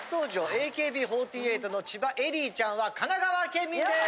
ＡＫＢ４８の千葉恵里ちゃんは神奈川県民です。